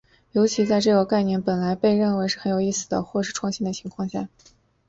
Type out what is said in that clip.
尤其在这个概念本来被认为是很有意思的或是创新的情况下。